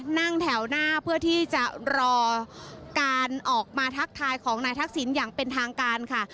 นั่งแถวหน้าเพื่อที่จะรอการออกมาทักทายของนายทักษิณอย่างเป็นทางการค่ะ